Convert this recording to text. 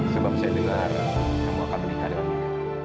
sebab saya dengar kamu akan menikah dengan dia